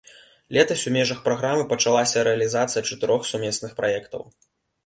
Летась у межах праграмы пачалася рэалізацыя чатырох сумесных праектаў.